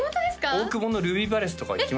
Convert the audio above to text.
大久保のルビーパレスとか行きました？